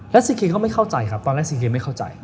แล้วซีเคนก็ไม่เข้าใจครับตอนแรกซีเกมไม่เข้าใจ